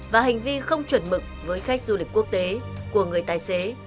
và hành vi không chuẩn mực với khách du lịch quốc tế của người tài xế